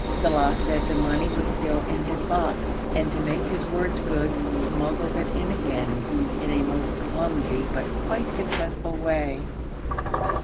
Saleh said the money was still in his box, and to make his words good smuggled it in again, in a most clumsy but quite successful way.